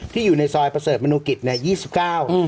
อยู่ในซอยประเสริฐมนุกิจเนี่ยยี่สิบเก้า